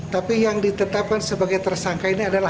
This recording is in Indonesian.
tapi yang ditetapkan sebagai tersangka ini adalah